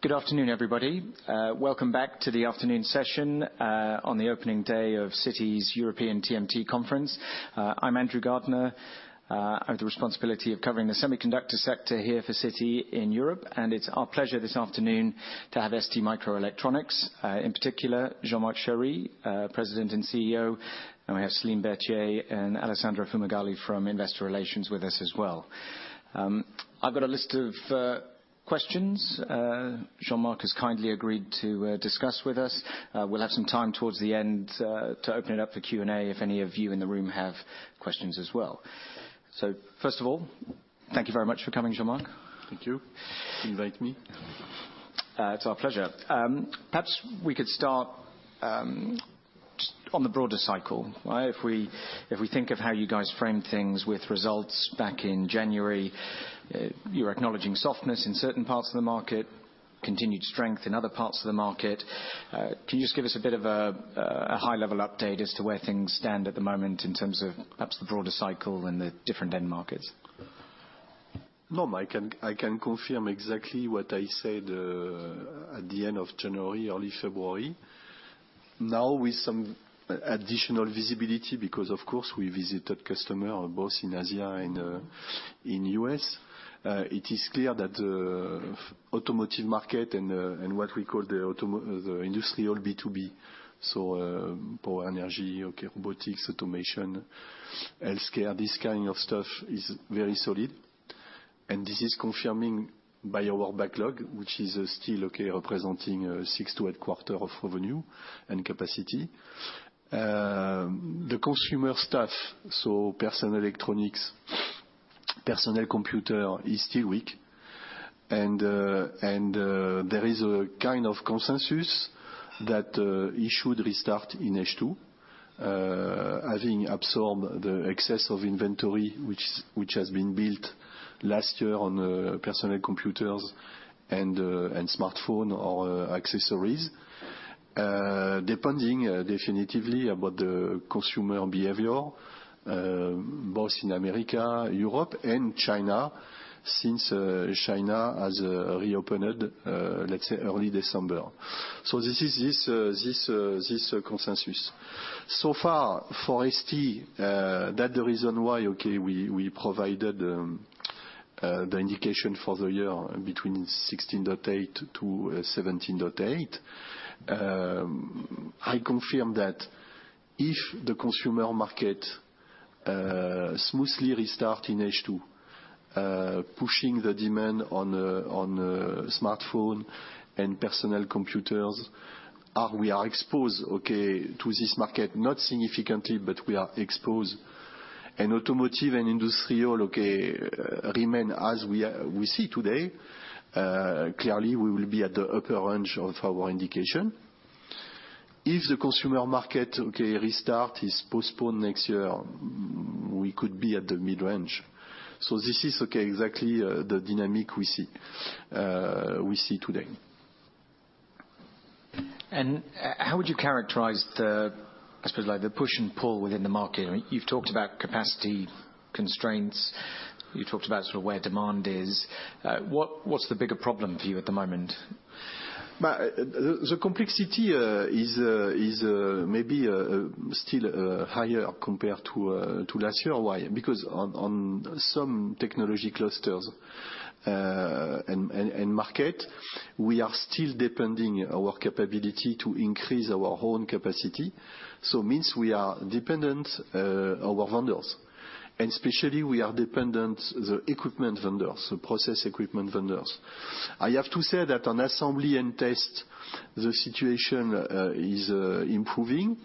Good afternoon, everybody. Welcome back to the afternoon session on the opening day of Citi's European TMT Conference. I'm Andrew Gardiner. I have the responsibility of covering the semiconductor sector here for Citi in Europe, and it's our pleasure this afternoon to have STMicroelectronics, in particular, Jean-Marc Chéry, President and CEO, and we have Céline Berthier and Alessandra Fumagalli from Investor Relations with us as well. I've got a list of questions Jean-Marc has kindly agreed to discuss with us. We'll have some time towards the end to open it up for Q&A if any of you in the room have questions as well. First of all, thank you very much for coming, Jean-Marc. Thank you. Invite me. It's our pleasure. Perhaps we could start just on the broader cycle. If we, if we think of how you guys framed things with results back in January, you were acknowledging softness in certain parts of the market, continued strength in other parts of the market. Can you just give us a bit of a high-level update as to where things stand at the moment in terms of perhaps the broader cycle and the different end markets? No, I can confirm exactly what I said, at the end of January, early February. Now, with some additional visibility, because, of course, we visited customer both in Asia and in U.S., it is clear that automotive market and what we call the industrial B2B, so, power energy, robotics, automation, healthcare, this kind of stuff is very solid. This is confirming by our backlog, which is still representing six to eight quarters of revenue and capacity. The consumer stuff, so personal electronics, personal computer, is still weak, and there is a kind of consensus that it should restart in H2, having absorbed the excess of inventory which has been built last year on personal computers and smartphone or accessories. Depending definitively about the consumer behavior, both in America, Europe, and China since China has reopened, let's say early December. This is this consensus. Far for ST, that the reason why, okay, we provided the indication for the year between 16.8 to 17.8 billion. I confirm that if the consumer market smoothly restart in H2, pushing the demand on smartphone and personal computers, we are exposed, okay, to this market, not significantly, but we are exposed. In automotive and industrial, okay, remain as we see today. Clearly, we will be at the upper range of our indication. If the consumer market, okay, restart is postponed next year, we could be at the mid-range. This is, okay, exactly, the dynamic we see, we see today. How would you characterize the, I suppose, like the push and pull within the market? I mean, you've talked about capacity constraints, you've talked about sort of where demand is. What's the bigger problem for you at the moment? Well, the complexity is maybe still higher compared to last year. Why? Because on some technology clusters, and market, we are still depending our capability to increase our own capacity, so means we are dependent our vendors, and especially we are dependent the equipment vendors, the process equipment vendors. I have to say that on assembly and test, the situation is improving.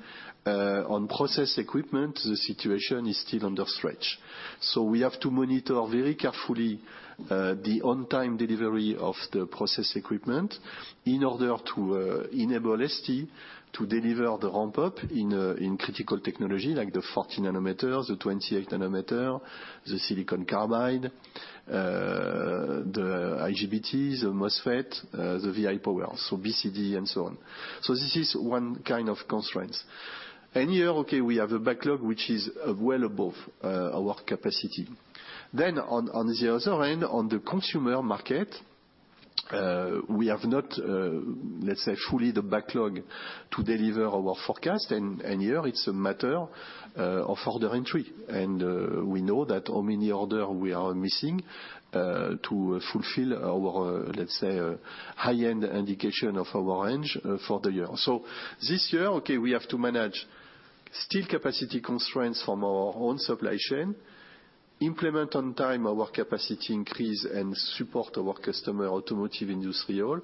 On process equipment, the situation is still under stretch. We have to monitor very carefully the on-time delivery of the process equipment in order to enable ST to deliver the ramp-up in critical technology, like the 40 nm, the 28 nm, the silicon carbide, the IGBTs, the MOSFET, the VIPower, so BCD and so on. This is one kind of constraints. Here, okay, we have a backlog which is well above our capacity. On the other end, on the consumer market, we have not, let's say, fully the backlog to deliver our forecast. Here it's a matter of order entry. We know that how many order we are missing to fulfill our, let's say, high-end indication of our range for the year. This year, okay, we have to manage still capacity constraints from our own supply chain, implement on time our capacity increase and support our customer automotive, industrial,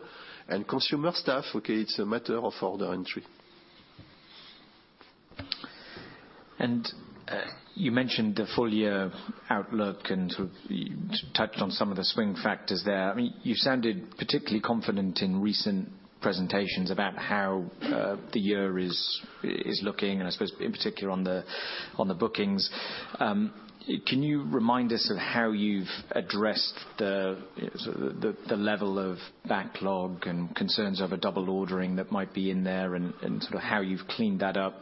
and consumer stuff, okay, it's a matter of order entry. You mentioned the full year outlook and sort of touched on some of the swing factors there. I mean, you sounded particularly confident in recent presentations about how the year is looking and I suppose in particular on the bookings. Can you remind us of how you've addressed sort of the level of backlog and concerns over double ordering that might be in there and sort of how you've cleaned that up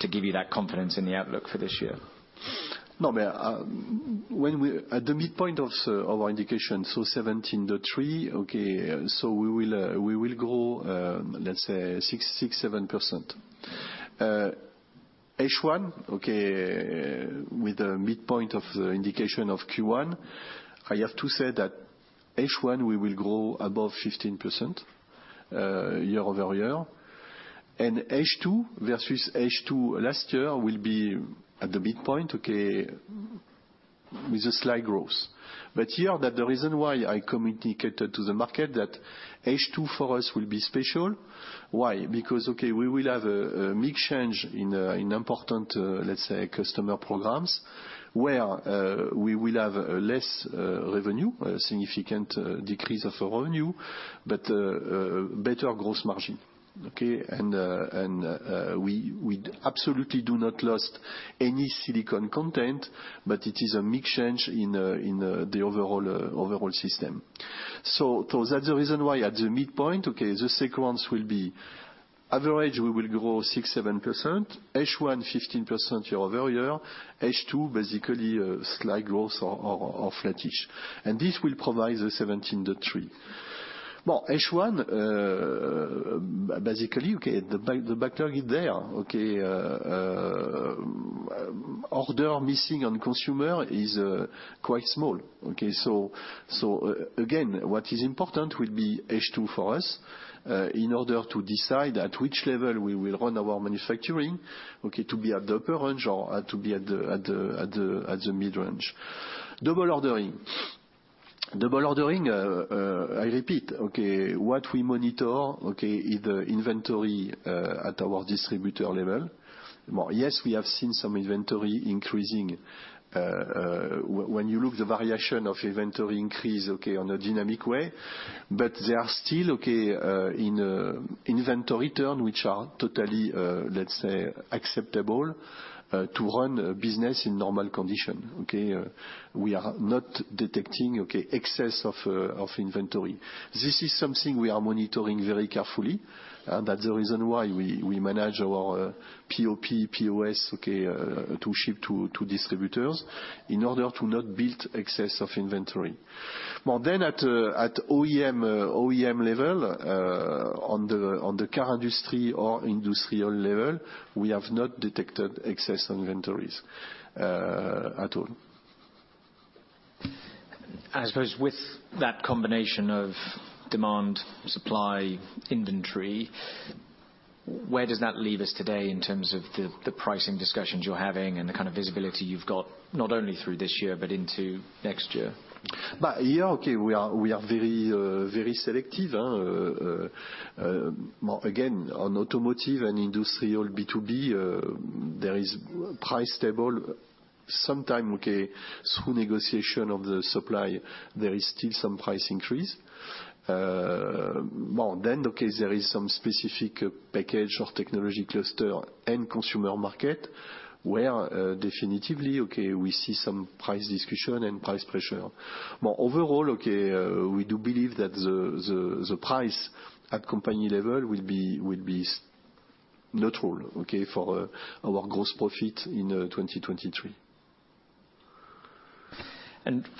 to give you that confidence in the outlook for this year? At the midpoint of our indication, 17.3 billion, we will grow 6-7%. H1, with the midpoint of the indication of Q1, I have to say that H1 we will grow above 15% year-over-year. H2 versus H2 last year will be at the midpoint, with a slight growth. Here that the reason why I communicated to the market that H2 for us will be special. Why? We will have a mix change in important customer programs, where we will have less revenue, a significant decrease of revenue, better gross margin. Okay? We absolutely do not lost any silicon content, but it is a mix change in the overall system. that's the reason why at the midpoint, okay, the sequence will be average we will grow 6%, 7%, H1 15% year-over-year, H2 basically a slight growth or flattish. this will provide the 17.3 billion. Well, H1, basically, okay, the backlog is there, okay? Order missing on consumer is quite small. Okay? again, what is important will be H2 for us, in order to decide at which level we will run our manufacturing, okay, to be at the upper range or to be at the mid-range. Double ordering. Double ordering, I repeat, okay, what we monitor, okay, is the inventory at our distributor level. Yes, we have seen some inventory increasing, when you look the variation of inventory increase, okay, on a dynamic way, but they are still, okay, in inventory turn, which are totally, let's say, acceptable to run a business in normal condition. We are not detecting, okay, excess of inventory. This is something we are monitoring very carefully, and that's the reason why we manage our POP, POS, okay, to ship to distributors in order to not build excess of inventory. Then at OEM level, on the car industry or industrial level, we have not detected excess inventories at all. I suppose with that combination of demand, supply, inventory, where does that leave us today in terms of the pricing discussions you're having and the kind of visibility you've got, not only through this year, but into next year? Here, we are very, very selective. Again, on automotive and industrial B2B, there is price stable. Sometime, through negotiation of the supply, there is still some price increase. There is some specific package or technology cluster and consumer market where definitively we see some price discussion and price pressure. Overall, we do believe that the price at company level will be neutral for our gross profit in 2023.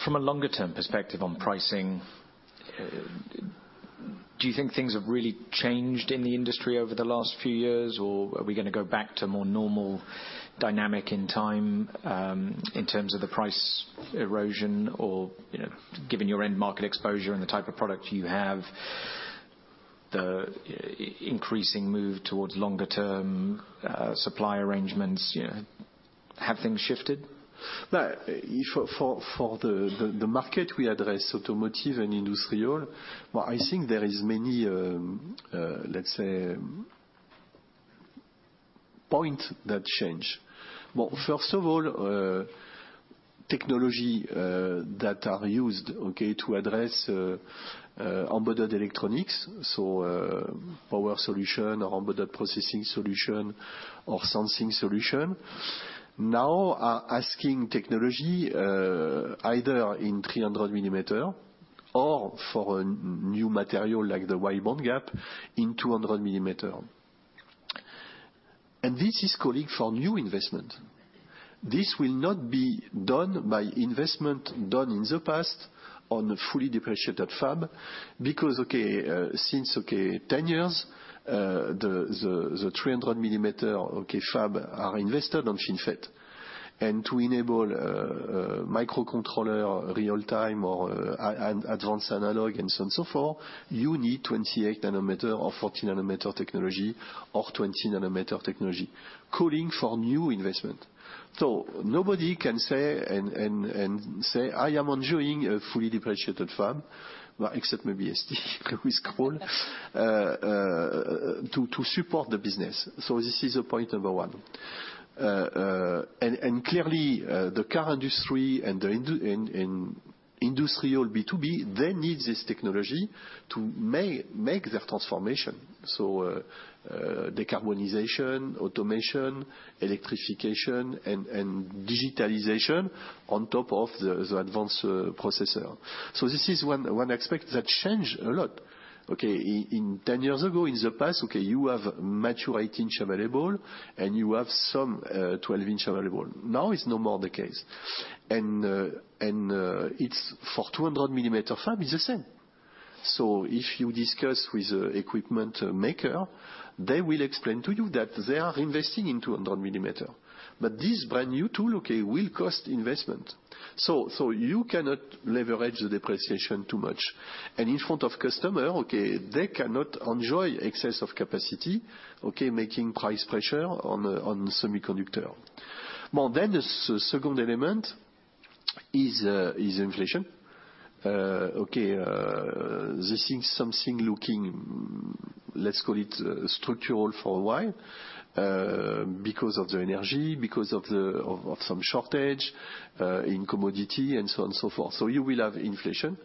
From a longer-term perspective on pricing, do you think things have really changed in the industry over the last few years? Are we gonna go back to more normal dynamic in time, in terms of the price erosion? You know, given your end market exposure and the type of product you have, the increasing move towards longer-term, supply arrangements, you know, have things shifted? Well, if for the market we address, automotive and industrial, well, I think there is many, let's say, point that change. Well, first of all, technology that are used, okay, to address embedded electronics, so, power solution or embedded processing solution or sensing solution, now are asking technology either in 300mm or for a new material like the wide bandgap in 200mm. This is calling for new investment. This will not be done by investment done in the past on a fully depreciated fab, because, okay, since, okay, 10 years, the 300mm, okay, fab are invested on FinFET. To enable microcontroller real-time or and advanced analog and so on and so forth, you need 28 nm or 14 nm technology or 20 nm technology, calling for new investment. Nobody can say and say, "I am enjoying a fully depreciated fab," well, except maybe ST, Crolles, to support the business. This is point number one. And clearly, the car industry and the industrial B2B, they need this technology to make their transformation. Decarbonization, automation, electrification, and digitalization on top of the advanced processor. This is one aspect that changed a lot, okay. In 10 years ago, in the past, okay, you have mature eight-inch available, and you have some twelve-inch available. Now it's no more the case. It's for 200 mm fab, it's the same. If you discuss with equipment maker, they will explain to you that they are investing in 200 mm. This brand new tool, okay, will cost investment. You cannot leverage the depreciation too much. In front of customer, okay, they cannot enjoy excess of capacity, okay, making price pressure on semiconductor. Well, the second element is inflation. Okay, this is something looking, let's call it structural for a while, because of the energy, because of the, of some shortage, in commodity and so on and so forth. You will have inflation.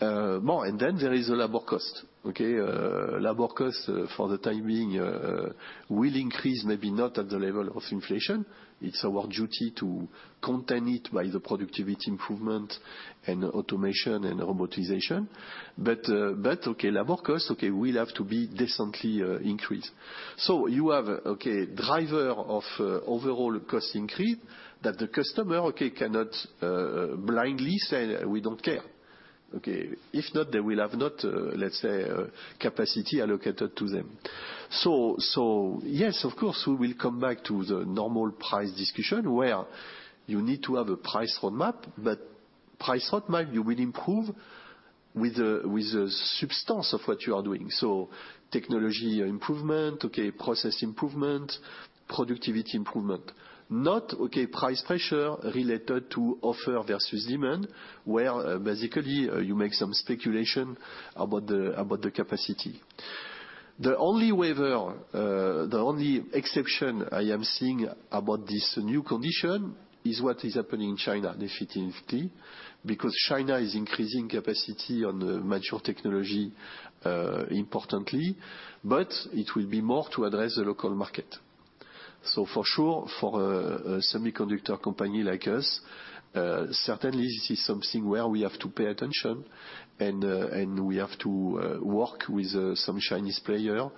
More, there is a labor cost, okay? Labor cost for the time being, will increase, maybe not at the level of inflation. It's our duty to contain it by the productivity improvement and automation and robotization. Okay, labor cost, okay, will have to be decently increased. You have, okay, driver of overall cost increase that the customer, okay, cannot blindly say, "We don't care." Okay? If not, they will have not, let's say, capacity allocated to them. Yes, of course, we will come back to the normal price discussion where you need to have a price roadmap, but price roadmap you will improve with the substance of what you are doing. Technology improvement, okay, process improvement, productivity improvement. Not, okay, price pressure related to offer versus demand, where basically you make some speculation about the capacity. The only waiver, the only exception I am seeing about this new condition is what is happening in China, definitely, because China is increasing capacity on the mature technology, importantly, but it will be more to address the local market. For sure, for a semiconductor company like us, certainly this is something where we have to pay attention and we have to work with some Chinese player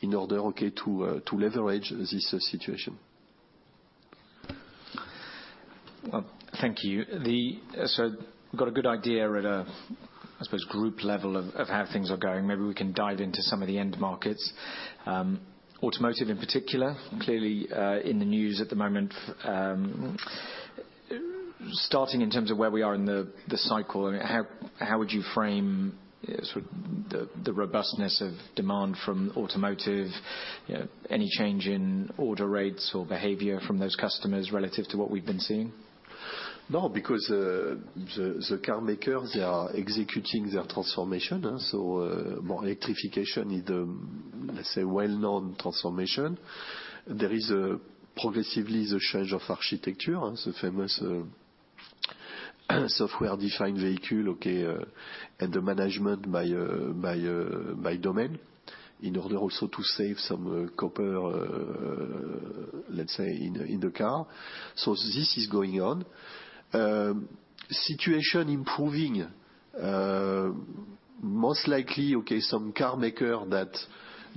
in order, okay, to leverage this situation. Well, thank you. Got a good idea at a, I suppose, group level of how things are going. Maybe we can dive into some of the end markets. Automotive in particular, clearly, in the news at the moment. Starting in terms of where we are in the cycle, I mean, how would you frame, sort of, the robustness of demand from automotive? You know, any change in order rates or behavior from those customers relative to what we've been seeing? No, because the carmakers are executing their transformation. More electrification is a, let's say, well-known transformation. There is progressively the change of architecture, the famous software-defined vehicle, okay, and the management by domain in order also to save some copper, let's say, in the car. This is going on. Situation improving, most likely, okay, some carmaker that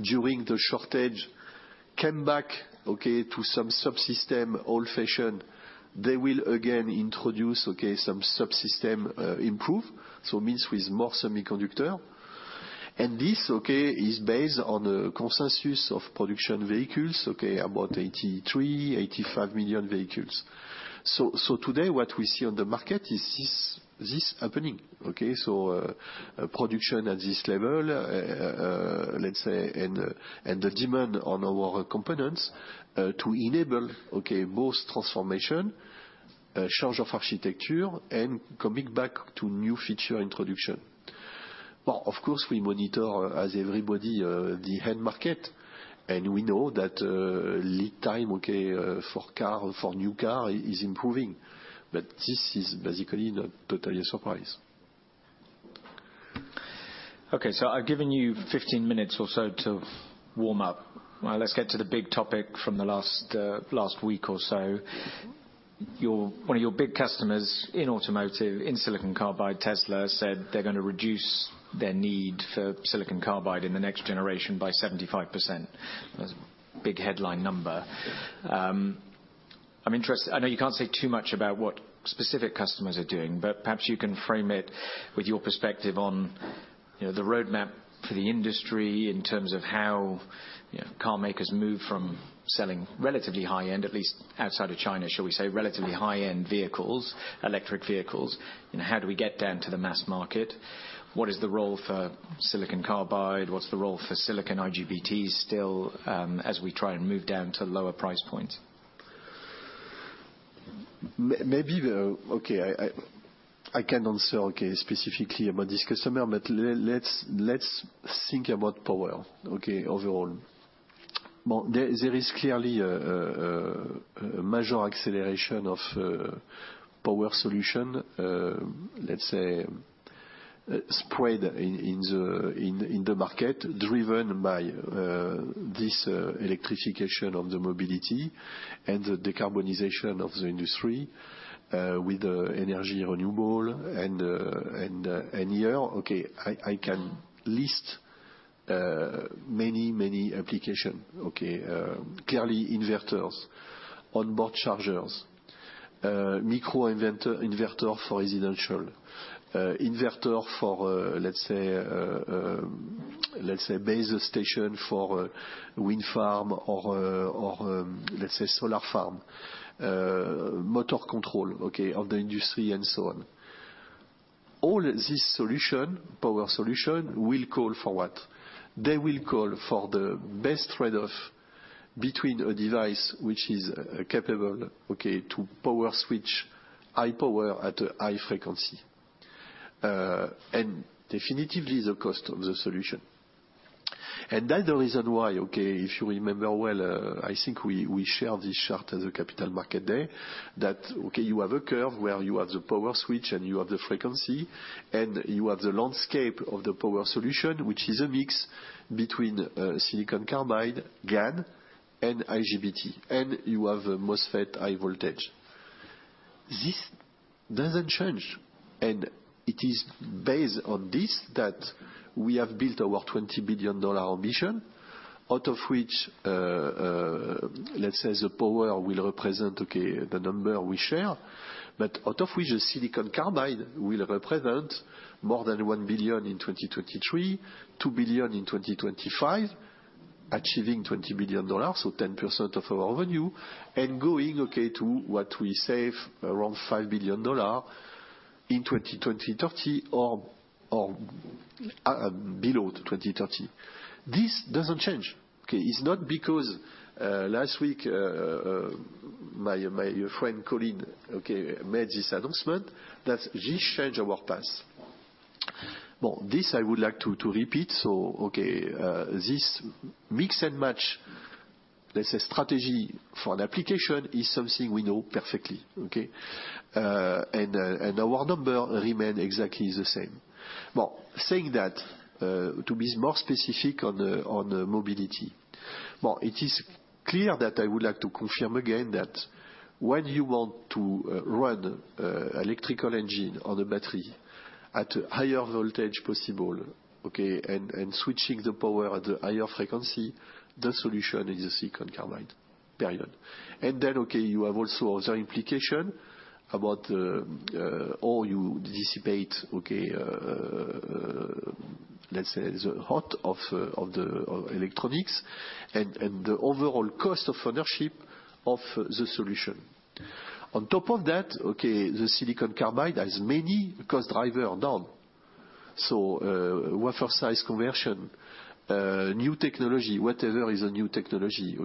during the shortage came back, okay, to some subsystem old-fashioned, they will again introduce, okay, some subsystem improve, so means with more semiconductor. This, okay, is based on a consensus of production vehicles, okay, about 83, 85 million vehicles. Today, what we see on the market is this happening, okay? Production at this level, let's say, and the demand on our components, to enable, okay, both transformation, change of architecture, and coming back to new feature introduction. Of course, we monitor, as everybody, the end market, and we know that, lead time, okay, for car, for new car is improving, but this is basically not totally a surprise. Okay. I've given you 15 minutes or so to warm up. Let's get to the big topic from the last last week or so. One of your big customers in automotive, in silicon carbide, Tesla, said they're gonna reduce their need for silicon carbide in the next generation by 75%. That's a big headline number. I know you can't say too much about what specific customers are doing. Perhaps you can frame it with your perspective on, you know, the roadmap for the industry in terms of how, you know, carmakers move from selling relatively high-end, at least outside of China, shall we say, relatively high-end vehicles, electric vehicles, and how do we get down to the mass market? What is the role for silicon carbide? What's the role for silicon IGBTs still, as we try and move down to lower price points? Maybe the okay, I can answer, okay, specifically about this customer, but let's think about power, okay, overall. Well, there is clearly a major acceleration of power solution, let's say, spread in the market, driven by this electrification of the mobility and the decarbonization of the industry, with energy renewable and here, okay, I can list many application, okay? Clearly inverters, onboard chargers. Microinverter for residential. Inverter for, let's say, let's say base station for a wind farm or, let's say solar farm. Motor control, okay, of the industry and so on. All this solution, power solution will call for what? They will call for the best trade-off between a device which is capable, okay, to power switch high power at a high frequency, and definitively the cost of the solution. That the reason why, okay, if you remember well, I think we share this chart as a Capital Markets Day, that, okay, you have a curve where you have the power switch and you have the frequency, and you have the landscape of the power solution, which is a mix between silicon carbide, GaN, and IGBTs, and you have a MOSFET high voltage. This doesn't change, and it is based on this that we have built our $20 billion ambition, out of which, let's say the power will represent, okay, the number we share. Out of which the silicon carbide will represent more than $1 billion in 2023, $2 billion in 2025, achieving $20 billion, so 10% of our revenue, and going, okay, to what we save around $5 billion in 2030 or below 2030. This doesn't change, okay? It's not because last week my friend Colin, okay, made this announcement, that this change our path. This I would like to repeat. Okay, this mix and match, let's say, strategy for an application is something we know perfectly, okay? Our number remain exactly the same. Saying that, to be more specific on the mobility. Well, it is clear that I would like to confirm again that when you want to run electrical engine on a battery at a higher voltage possible, and switching the power at a higher frequency, the solution is a silicon carbide. Period. Then, you have also other implication about how you dissipate, let's say the hot of the electronics and the overall cost of ownership of the solution. On top of that, the silicon carbide has many cost driver down. Wafer size conversion, new technology, whatever is a new technology.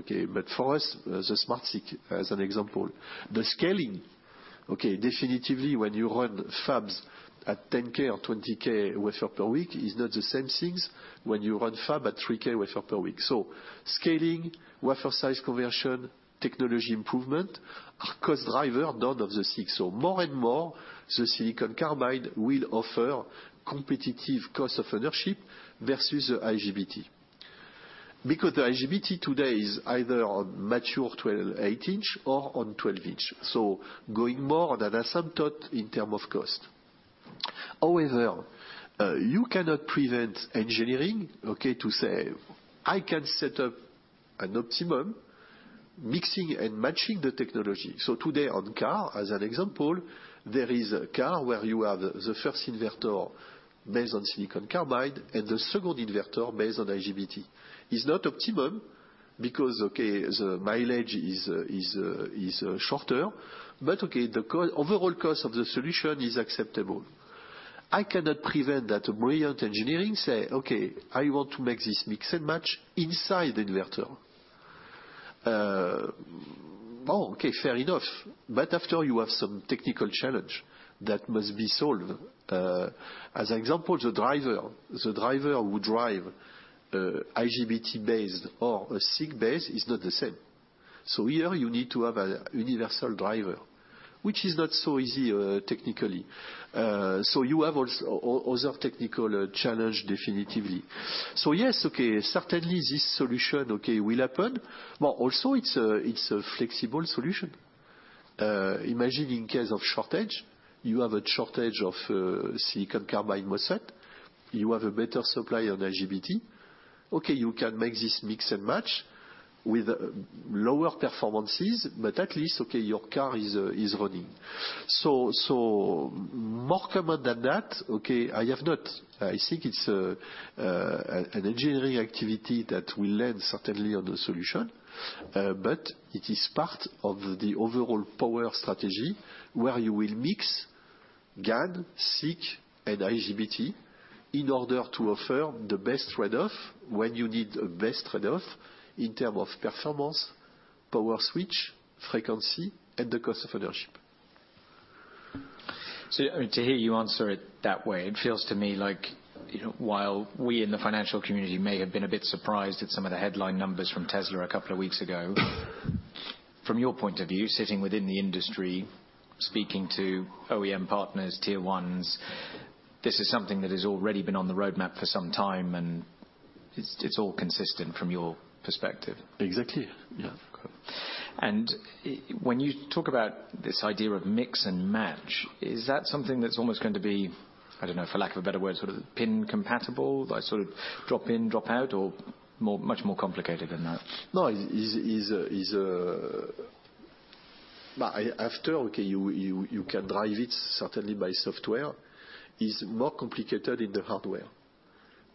For us, the SmartSiC as an example. The scaling, definitively, when you run fabs at 10k or 20k wafer per week is not the same things when you run fab at 3k wafer per week. Scaling, wafer size conversion, technology improvement are cost driver down of the SiC. More and more, the silicon carbide will offer competitive cost of ownership versus IGBT. Because the IGBT today is either on mature 12-inch 8-inch or on 12-inch. Going more on that asymptote in term of cost. However, you cannot prevent engineering, okay, to say, "I can set up an optimum, mixing and matching the technology." Today on car, as an example, there is a car where you have the first inverter based on silicon carbide and the second inverter based on IGBT. Is not optimum because, okay, the mileage is shorter, but, okay, the overall cost of the solution is acceptable. I cannot prevent that brilliant engineering say, "Okay, I want to make this mix and match inside the inverter." Okay, fair enough, after you have some technical challenge that must be solved. As example, the driver, the driver would drive, IGBT-based or a SiC-based is not the same. Here you need to have a universal driver, which is not so easy, technically. You have other technical challenge, definitively. Yes, okay, certainly this solution, okay, will happen. Also it's a, it's a flexible solution. Imagine in case of shortage, you have a shortage of silicon carbide MOSFET. You have a better supply on IGBT. Okay, you can make this mix and match with lower performances, at least, okay, your car is running. More comment than that, okay, I have not. I think it's an engineering activity that will land certainly on the solution, but it is part of the overall power strategy where you will mix GaN, SiC, and IGBT in order to offer the best trade-off when you need the best trade-off in term of performance, power switch, frequency, and the cost of ownership. I mean, to hear you answer it that way, it feels to me like, you know, while we in the financial community may have been a bit surprised at some of the headline numbers from Tesla a couple of weeks ago, from your point of view, sitting within the industry, speaking to OEM partners, tier ones, this is something that has already been on the roadmap for some time, and it's all consistent from your perspective. Exactly. Yeah. When you talk about this idea of mix and match, is that something that's almost going to be I don't know, for lack of a better word, sort of pin compatible? They sort of drop in, drop out, or more, much more complicated than that? No. Is. After, okay, you can drive it certainly by software. It's more complicated in the hardware,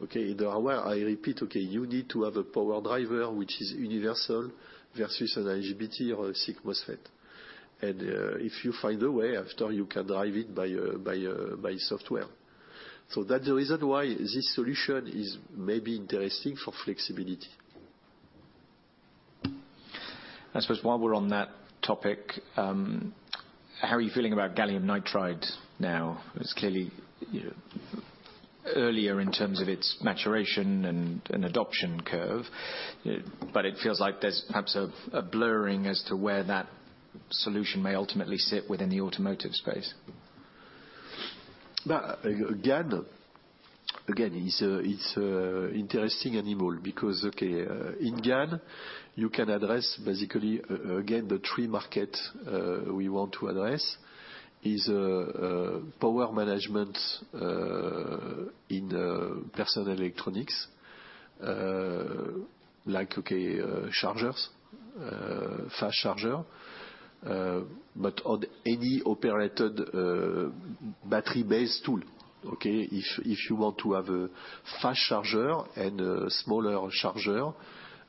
okay? The hardware, I repeat, okay, you need to have a power driver which is universal versus an IGBT or a SiC MOSFET. If you find a way, after you can drive it by software. That the reason why this solution is maybe interesting for flexibility. I suppose, while we're on that topic, how are you feeling about gallium nitride now? It's clearly, you know, earlier in terms of its maturation and adoption curve, but it feels like there's perhaps a blurring as to where that solution may ultimately sit within the automotive space. Again, it's a interesting animal because, okay, in GaN, you can address basically, again, the three market we want to address is power management in personal electronics, like, okay, chargers, fast charger. On any operated battery-based tool, okay? If you want to have a fast charger and a smaller charger,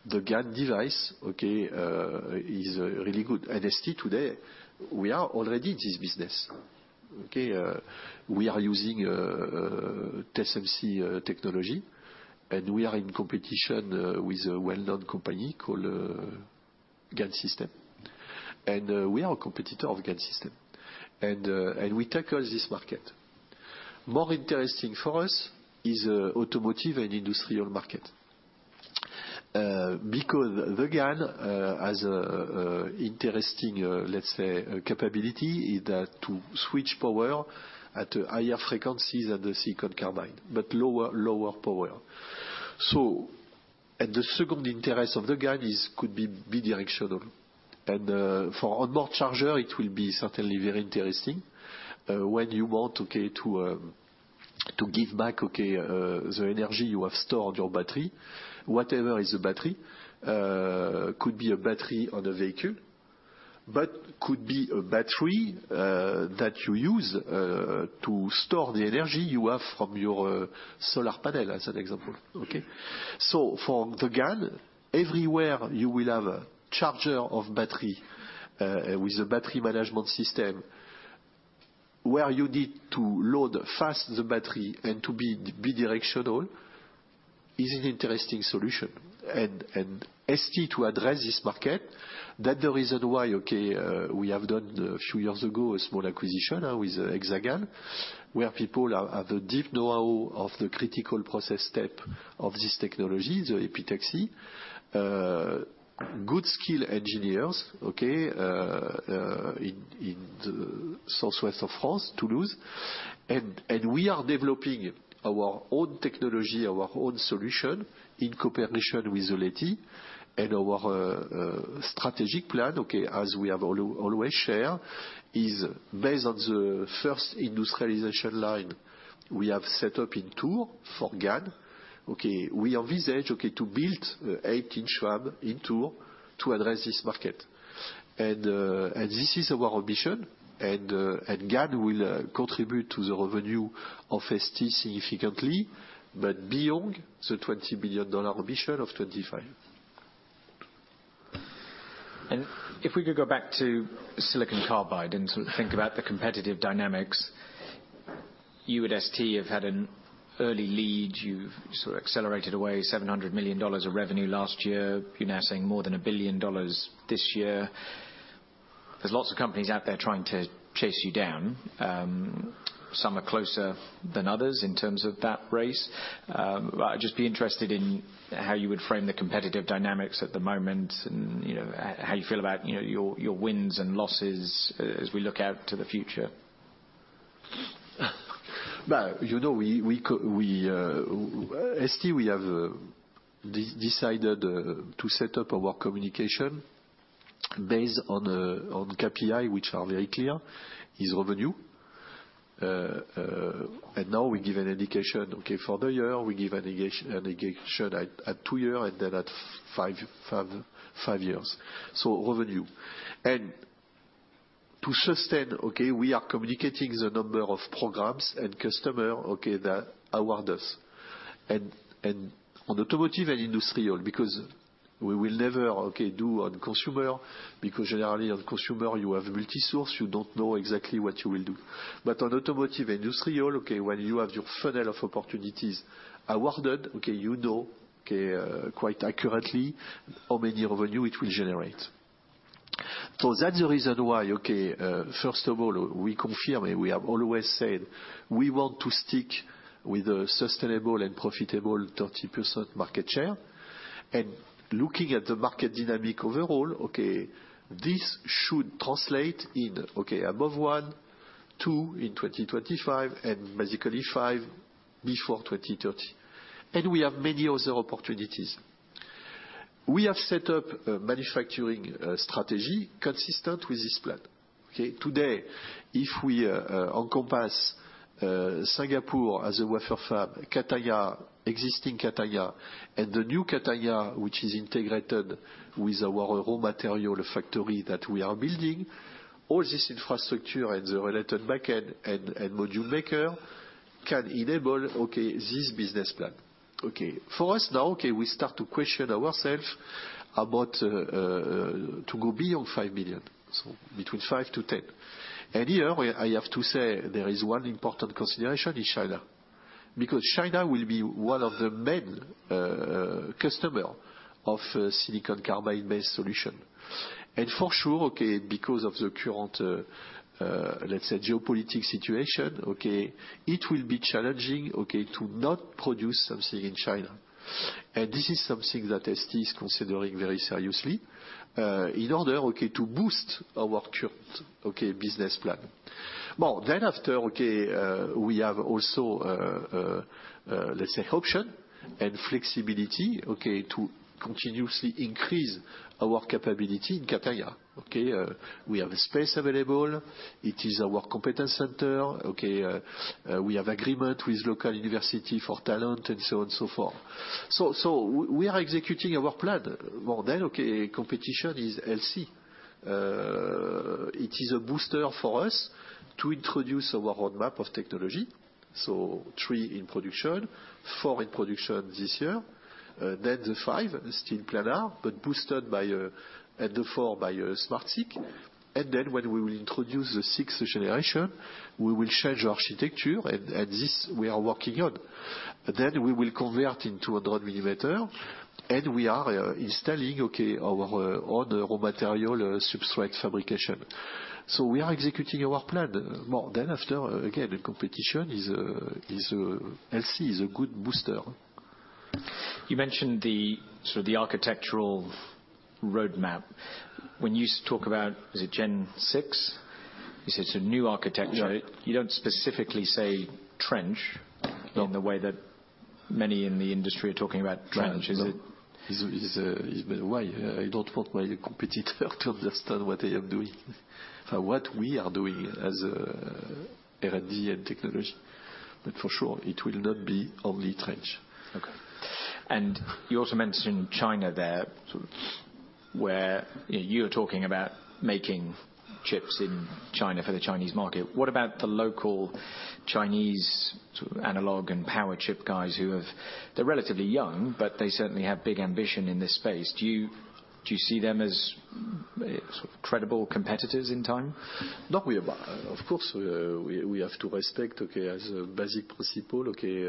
the GaN device, okay, is really good. At ST today, we are already this business, okay? We are using TSMC technology, and we are in competition with a well-known company called GaN Systems. We are a competitor of GaN Systems, and we tackle this market. More interesting for us is automotive and industrial market. Because the GaN has interesting, let's say, capability is to switch power at a higher frequencies than the silicon carbide, but lower power. The second interest of the GaN is could be bidirectional. For on-board charger, it will be certainly very interesting when you want, okay, to give back, okay, the energy you have stored your battery, whatever is the battery. Could be a battery on a vehicle, but could be a battery that you use to store the energy you have from your solar panel, as an example, okay? For the GaN, everywhere you will have a charger of battery with a battery management system where you need to load fast the battery and to be bidirectional is an interesting solution. ST to address this market, that the reason why, we have done a few years ago a small acquisition with Exagan, where people have a deep knowhow of the critical process step of this technology, the epitaxy. Good skill engineers in the southwest of France, Toulouse. We are developing our own technology, our own solution in cooperation with Soitec. Our strategic plan, as we have always shared, is based on the first industrialization line we have set up in Tours for GaN. We envisage to build eight-inch fab in Tours to address this market. This is our ambition, and GaN will contribute to the revenue of ST significantly, but beyond the $20 billion ambition of 2025. If we could go back to silicon carbide and sort of think about the competitive dynamics. You at ST have had an early lead. You've sort of accelerated away $700 million of revenue last year. You're now saying more than $1 billion this year. There's lots of companies out there trying to chase you down. Some are closer than others in terms of that race. I'd just be interested in how you would frame the competitive dynamics at the moment and, you know, how you feel about, you know, your wins and losses as we look out to the future. Well, you know, we at ST, we have decided to set up our communication based on KPI, which are very clear, is revenue. Now we give an indication, okay, for the year. We give an indication at two year and then at five years. Revenue. To sustain, okay, we are communicating the number of programs and customer, okay, that award us. On automotive and industrial, because we will never, okay, do on consumer, because generally on consumer, you have multi-source, you don't know exactly what you will do. On automotive, industrial, okay, when you have your funnel of opportunities awarded, okay, you know, okay, quite accurately how many revenue it will generate. That's the reason why, first of all, we confirm and we have always said we want to stick with a sustainable and profitable 30% market share. Looking at the market dynamic overall, this should translate in above $1.2 billion in 2025, and basically $5 billion before 2030. We have many other opportunities. We have set up a manufacturing strategy consistent with this plan. Today, if we encompass Singapore as a wafer fab, Catania, existing Catania, and the new Catania, which is integrated with our raw material factory that we are building, all this infrastructure and the related backend and module maker can enable this business plan. For us now, we start to question ourself about to go beyond $5 billion, so between $5 to 10 billion. Here I have to say there is one important consideration in China, because China will be one of the main customer of silicon carbide-based solution. For sure, because of the current, let's say, geopolitical situation, it will be challenging to not produce something in China. This is something that ST is considering very seriously in order to boost our current business plan. After, we have also, let's say, option and flexibility to continuously increase our capability in Catania. We have space available. It is our competence center. We have agreement with local university for talent and so on and so forth. We are executing our plan. Competition is healthy. It is a booster for us to introduce our roadmap of technology. Three in production, four in production this year, then the five still planar, but boosted by, and the four by SmartSiC. When we will introduce the 6th generation, we will change architecture, and this we are working on. We will convert into a 100 mm, and we are installing, okay, our own raw material substrate fabrication. We are executing our plan. Well, after, again, the competition is LC is a good booster. You mentioned the, sort of the architectural roadmap. When you talk about, is it 6th-gen? You say it's a new architecture. Yeah. You don't specifically say trench- No... in the way that many in the industry are talking about trench. Is it? Trench. No. Is why? I don't want my competitor to understand what I am doing, what we are doing as R&D and technology. For sure, it will not be only trench. Okay. You also mentioned China there, sort of where you're talking about making chips in China for the Chinese market. What about the local Chinese sort of analog and power chip guys who have... They're relatively young, but they certainly have big ambition in this space. Do you see them as sort of credible competitors in time? No, we have, of course, we have to respect, okay, as a basic principle, okay,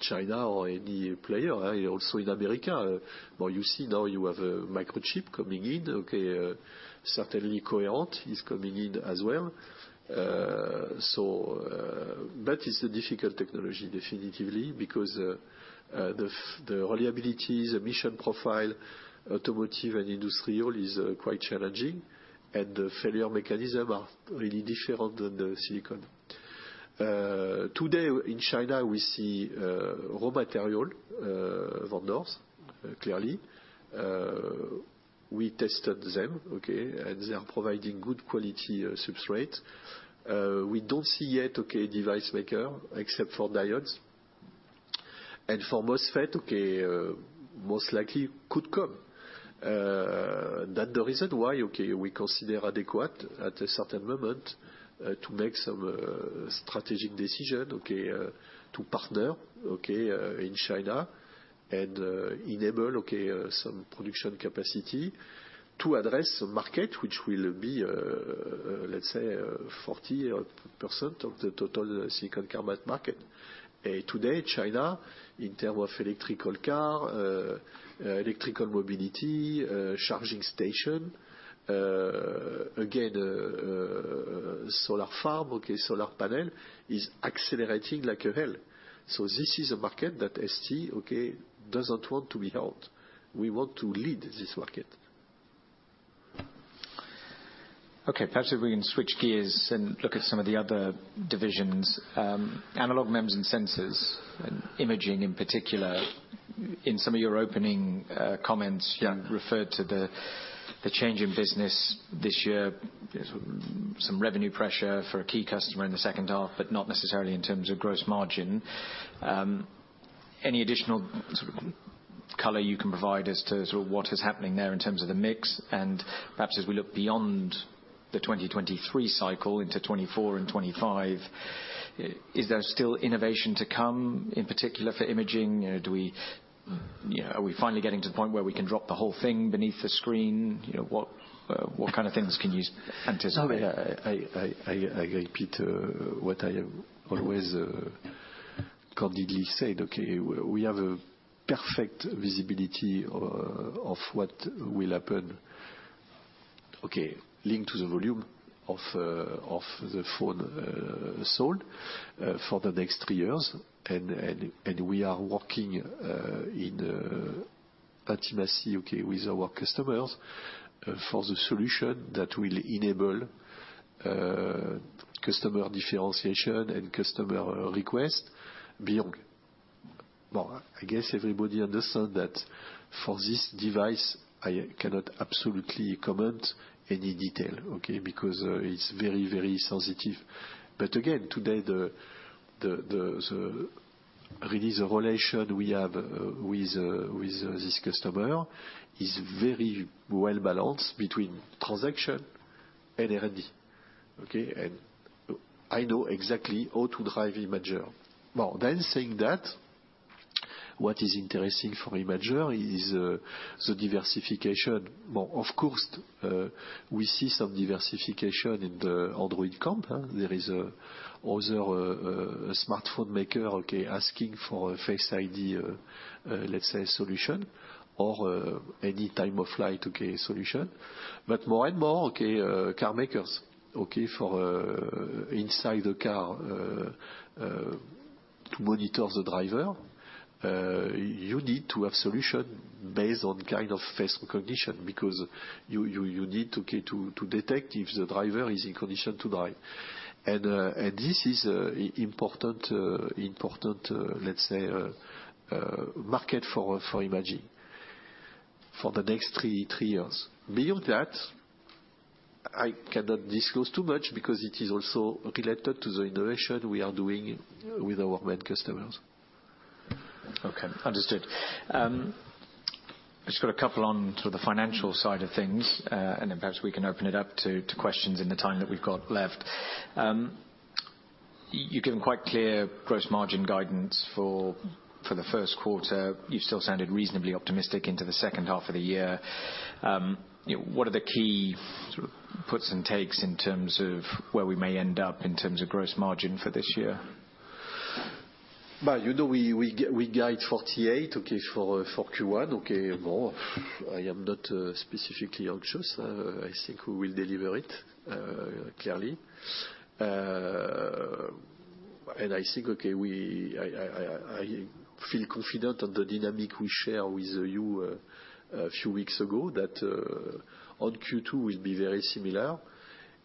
China or any player, also in America. Well, you see now you have Microchip coming in. Okay, certainly Coherent is coming in as well. But it's a difficult technology definitively because the reliabilities, emission profile, automotive and industrial is quite challenging, and the failure mechanism are really different than the silicon. Today in China, we see raw material vendors, clearly. We tested them, okay, and they are providing good quality substrate. We don't see yet, okay, device maker, except for diodes. For MOSFET, okay, most likely could come. That the reason why, okay, we consider adequate at a certain moment, to make some strategic decision, okay, to partner, okay, in China and enable, okay, some production capacity to address a market which will be, let's say, 40% of the total silicon carbide market. Today, China, in term of electrical car, electrical mobility, charging station, again, solar farm, okay, solar panel, is accelerating like hell. This is a market that ST, okay, doesn't want to be out. We want to lead this market. Okay, perhaps if we can switch gears and look at some of the other divisions. Analog MEMS and sensors and imaging in particular. In some of your opening comments. Yeah... you referred to the change in business this year, some revenue pressure for a key customer in the second half, but not necessarily in terms of gross margin. Any additional sort of color you can provide as to sort of what is happening there in terms of the mix? Perhaps as we look beyond the 2023 cycle into 2024 and 2025, is there still innovation to come, in particular for imaging? You know, do we, you know, are we finally getting to the point where we can drop the whole thing beneath the screen? You know, what kind of things can you anticipate? Oh, yeah. I repeat what I have always candidly said, okay. We have a perfect visibility of what will happen, okay, linked to the volume of the phone sold for the next three years. We are working in intimacy, okay, with our customers for the solution that will enable customer differentiation and customer request beyond. I guess everybody understood that for this device, I cannot absolutely comment any detail, okay? Because it's very, very sensitive. Again, today the really the relation we have with this customer is very well-balanced between transaction and R&D, okay? I know exactly how to drive imager. Then saying that, what is interesting for imager is the diversification. Of course, we see some diversification in the Android camp. There is other smartphone maker, okay, asking for a Face ID, let's say solution, or any type of light solution. More and more, okay, car makers, okay, for inside the car to monitor the driver. You need to have solution based on kind of face recognition because you need to okay to detect if the driver is in condition to drive. This is important, let's say, market for imager for the next three years. Beyond that, I cannot disclose too much because it is also related to the innovation we are doing with our main customers. Okay, understood. just got a couple on to the financial side of things, and then perhaps we can open it up to questions in the time that we've got left. You've given quite clear gross margin guidance for the Q1. You still sounded reasonably optimistic into the H2 of the year. you know, what are the key sort of puts and takes in terms of where we may end up in terms of gross margin for this year? Well, you know, we guide 48, okay, for Q1, okay. Well, I am not specifically anxious. I think we will deliver it clearly. I think, okay, I feel confident on the dynamic we share with you a few weeks ago that on Q2 will be very similar.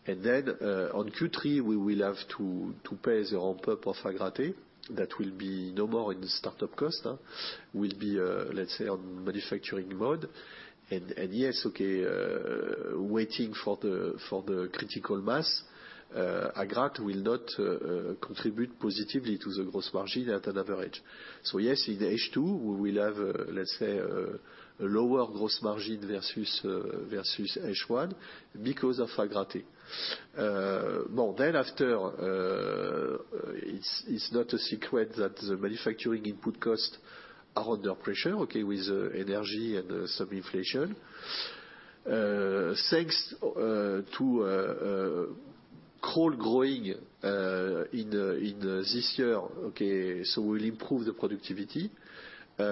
Then, on Q3, we will have to pay the ramp-up of Agrate. That will be no more in the start-up cost. We'll be, let's say, on manufacturing mode. Yes, okay, waiting for the critical mass, Agrate will not contribute positively to the gross margin at an average. Yes, in H2, we will have, let's say, a lower gross margin versus H1 because of Agrate. Well, after, it's not a secret that the manufacturing input costs are under pressure, okay, with energy and some inflation. Thanks to Crolles growing in this year, okay, we'll improve the productivity. We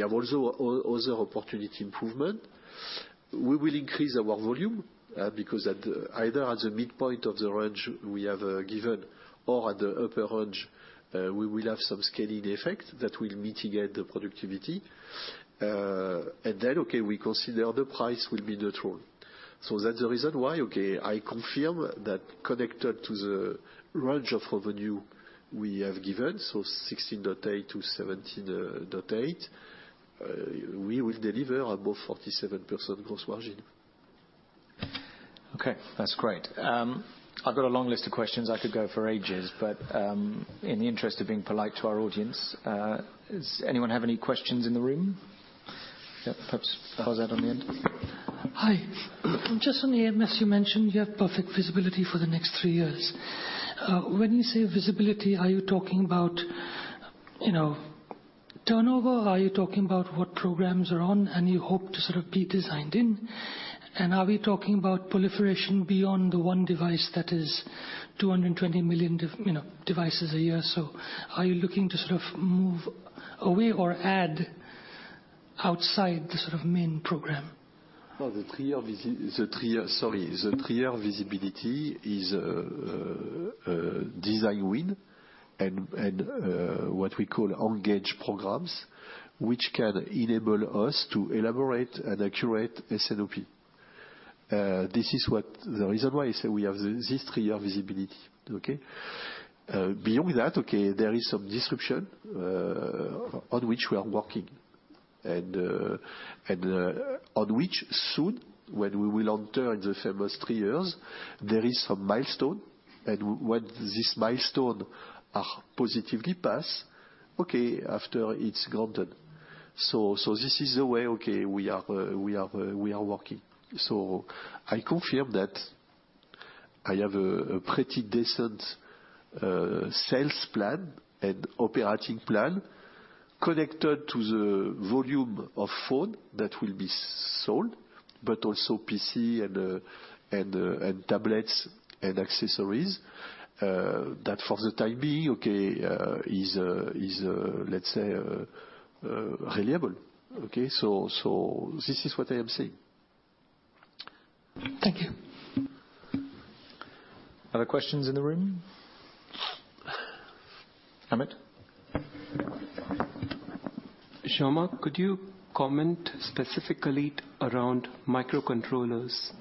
have also other opportunity improvement. We will increase our volume because at either at the midpoint of the range we have given or at the upper range, we will have some scaling effect that will mitigate the productivity. We consider the price will be neutral. That's the reason why, okay, I confirm that connected to the range of revenue we have given, so 16.8 to 17.8 billion, we will deliver above 47% gross margin. Okay, that's great. I've got a long list of questions I could go for ages. In the interest of being polite to our audience, does anyone have any questions in the room? Yeah, perhaps far as out on the end. Hi. Just on the AMS, you mentioned you have perfect visibility for the next three years. When you say visibility, are you talking about, you know, turnover? Are you talking about what programs are on and you hope to sort of be designed in? Are we talking about proliferation beyond the one device that is 220 million devices a year or so? Are you looking to sort of move away or add outside the sort of main program? Well, the three-year, sorry. The three-year visibility is design win and what we call engaged programs, which can enable us to elaborate an accurate S&OP. This is what the reason why I say we have this three-year visibility, okay? Beyond that, okay, there is some disruption on which we are working and on which soon, when we will enter in the famous three years, there is some milestone. When this milestone are positively passed, okay, after it's granted. This is the way, okay, we are working. I confirm that I have a pretty decent sales plan and operating plan connected to the volume of phone that will be sold, but also PC and tablets and accessories that for the time being, okay, is let's say reliable, okay? This is what I am saying. Thank you. Other questions in the room? Amit? Jean-Marc, could you comment specifically around microcontrollers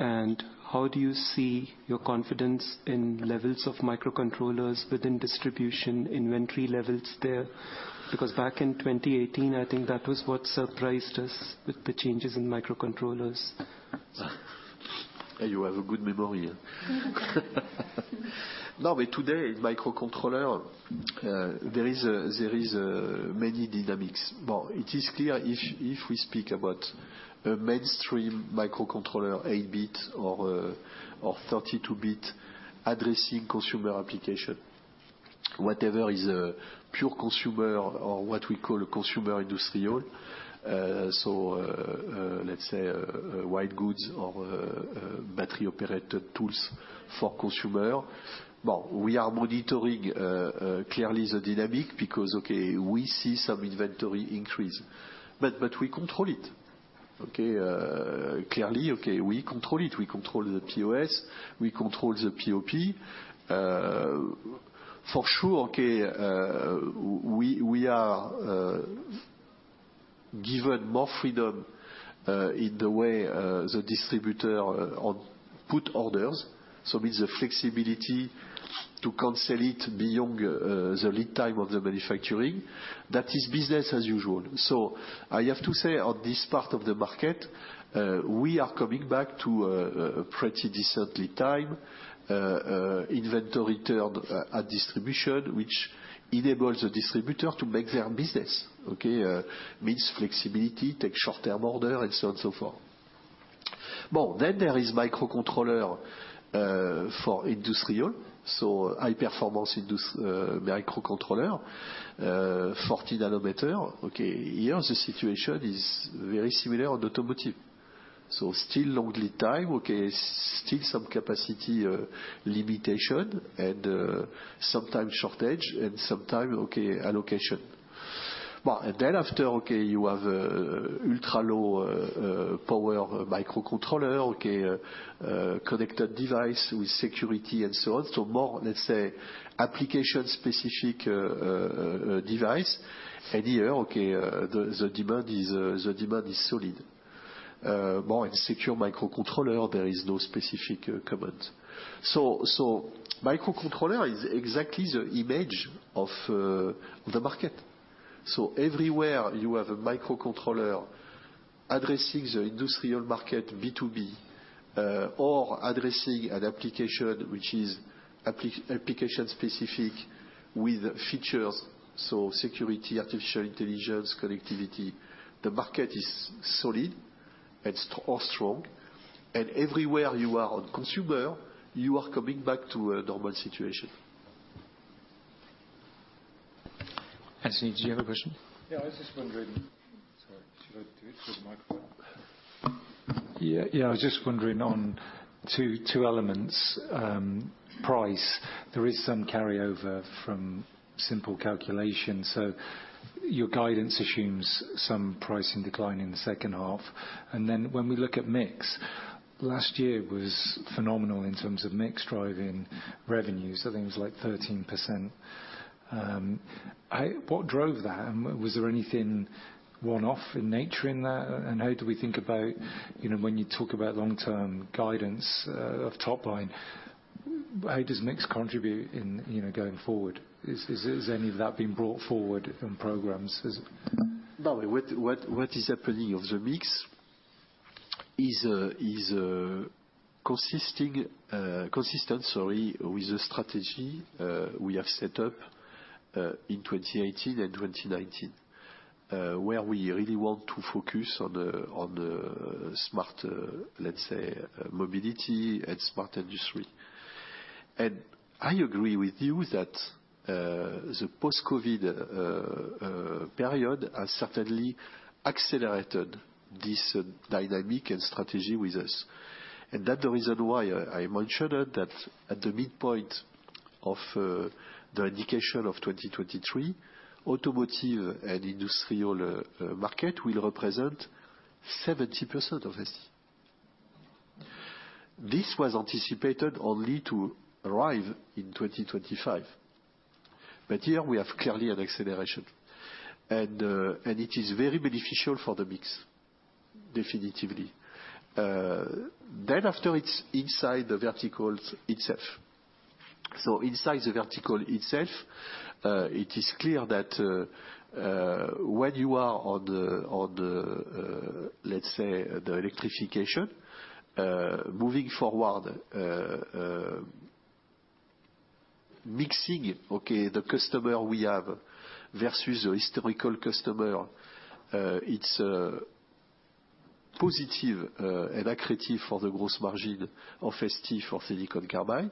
and how do you see your confidence in levels of microcontrollers within distribution inventory levels there? Back in 2018, I think that was what surprised us with the changes in microcontrollers. You have a good memory. Today, microcontroller, there is a many dynamics. It is clear if we speak about a mainstream microcontroller, 8-bit or 32-bit, addressing consumer application, whatever is a pure consumer or what we call a consumer industrial. So, let's say, white goods or, battery-operated tools for consumer. We are monitoring, clearly the dynamic because, okay, we see some inventory increase, but we control it. Okay. Clearly, okay, we control it. We control the POS, we control the POP. For sure, okay, we are given more freedom, in the way, the distributor on put orders, so means the flexibility to cancel it beyond, the lead time of the manufacturing. That is business as usual. I have to say, on this part of the market, we are coming back to a pretty decent lead time, inventory turn at distribution, which enables the distributor to make their business, okay? Means flexibility, take short-term order and so on and so forth. There is microcontroller for industrial, so high-performance microcontroller, 40 nm. Okay. Here, the situation is very similar in automotive. Still long lead time, okay, still some capacity limitation and sometimes shortage and sometimes, okay, allocation. After, okay, you have ultra-low power microcontroller, okay, connected device with security and so on. More, let's say, application-specific device. Here, okay, the demand is the demand is solid. More in secure microcontroller, there is no specific comment. Microcontroller is exactly the image of the market. Everywhere you have a microcontroller addressing the industrial market B2B, or addressing an application which is application-specific with features, so security, artificial intelligence, connectivity, the market is solid and or strong. Everywhere you are on consumer, you are coming back to a normal situation. Anthony, do you have a question? Yeah. I was just wondering. Sorry. Should I do it with microphone? Yeah. Yeah. I was just wondering on two elements. Price, there is some carryover from simple calculation, so your guidance assumes some pricing decline in the second half. When we look at mix, last year was phenomenal in terms of mix driving revenues. I think it was, like, 13%. What drove that? Was there anything one-off in nature in that? How do we think about, you know, when you talk about long-term guidance of top line, how does mix contribute in, you know, going forward? Is any of that being brought forward in programs as- No. What is happening on the mix is consistent, sorry, with the strategy we have set up in 2018 and 2019, where we really want to focus on the smart, let's say, mobility and smart industry. I agree with you that the post-COVID period has certainly accelerated this dynamic and strategy with us. That the reason why I mentioned it, that at the midpoint of the indication of 2023, automotive and industrial market will represent 70% of this. This was anticipated only to arrive in 2025, but here we have clearly an acceleration. It is very beneficial for the mix, definitively. After it's inside the verticals itself. Inside the vertical itself, it is clear that when you are on the, on the, let's say, the electrification, moving forward, mixing, okay, the customer we have versus the historical customer, it's positive and accretive for the gross margin in ST for silicon carbide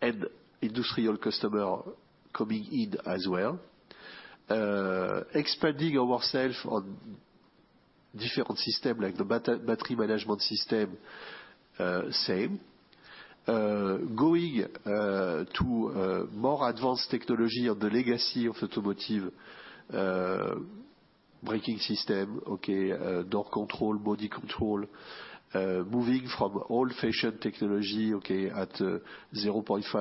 and industrial customer coming in as well. Expanding ourself on different system like the battery management system, same. Going to a more advanced technology on the legacy of automotive, braking system, okay, door control, body control, moving from old-fashioned technology, okay, at 0.5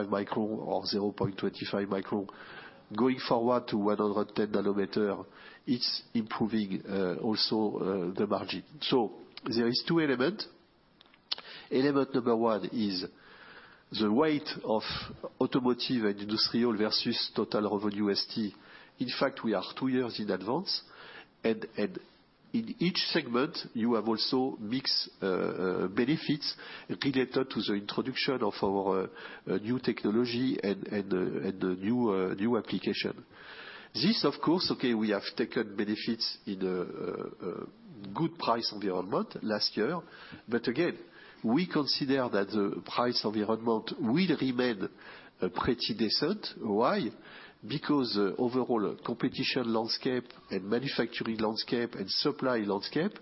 micron or 0.25 micron. Going forward to 110 nm, it's improving also the margin. There is two element. Element number one is the weight of automotive and industrial versus total revenue ST. In fact, we are two years in advance. In each segment, you have also mixed benefits related to the introduction of our new technology and the new application. This, of course, okay, we have taken benefits in a good price environment last year. Again, we consider that the price environment will remain pretty decent. Why? Because overall competition landscape and manufacturing landscape and supply landscape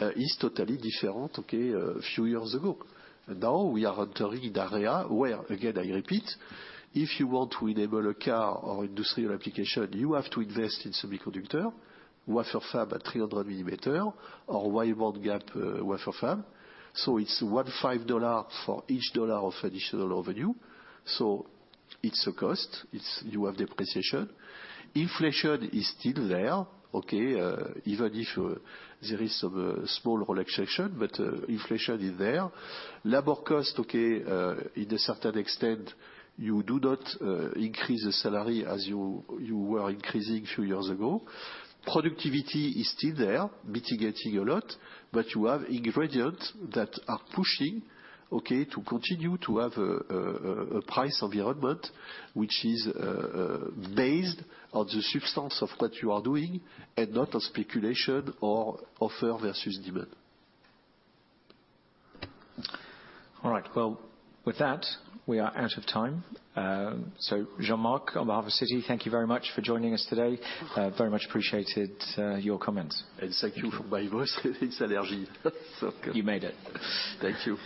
is totally different, okay, a few years ago. We are entering an area where, again, I repeat, if you want to enable a car or industrial application, you have to invest in semiconductor, wafer fab at 300 mm or wide bandgap wafer fab. So it's $1.5 for each dollar of additional revenue. So it's a cost. It's you have depreciation. Inflation is still there, okay? even if there is some small relaxation, but inflation is there. Labor cost, okay, in a certain extent, you do not increase the salary as you were increasing a few years ago. Productivity is still there, mitigating a lot, but you have ingredients that are pushing, okay, to continue to have a price environment which is based on the substance of what you are doing and not on speculation or offer versus demand. All right. Well, with that, we are out of time. Jean-Marc, on behalf of Citi, thank you very much for joining us today. Very much appreciated, your comments. Thank you for my voice. It's allergy. You made it. Thank you.